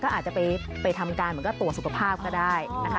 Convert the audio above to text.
อาจจะไปทำการเหมือนก็ตรวจสุขภาพก็ได้นะคะ